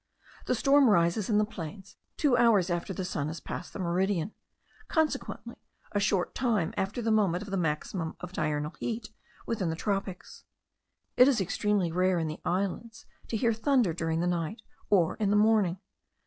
The storm rises in the plains two hours after the sun has passed the meridian; consequently a short time after the moment of the maximum of diurnal heat within the tropics. It is extremely rare in the islands to hear thunder during the night, or in the morning.